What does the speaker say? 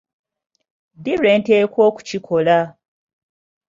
Ddi lwenteekwa okukikola?